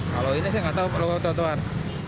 kalau ini saya nggak tahu perlu trotoar